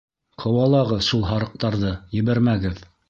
— Ҡыуалағыҙ шул һарыҡтарҙы, ебәрмәгеҙ.